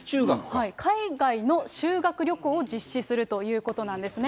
海外の修学旅行を実施するということなんですね。